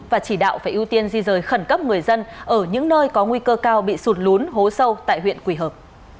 và chỉ đạo phải ưu tiên di rời khẩn cấp người dân ở những nơi có nguy cơ cao bị sụt lún hố sâu tại huyện quỳ hợp